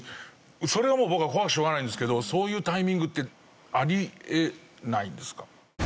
それがもう僕は怖くてしょうがないんですけどそういうタイミングってあり得ないんですか？